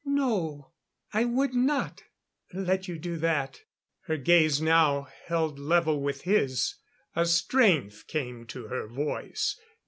"No. I would not let you do that." Her gaze now held level with his. A strength came to her voice.